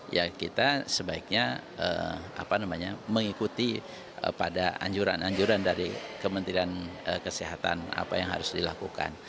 ya kita sebaiknya mengikuti pada anjuran anjuran dari kementerian kesehatan apa yang harus dilakukan